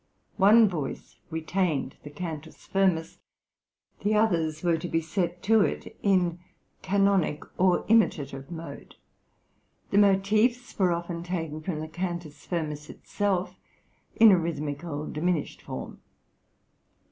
One voice retained the Cantus firmus, the others were to be set to it in canonic or imitative mode. The motifs were often taken from the Cantus firmus itself, in a rhythmical, diminished form.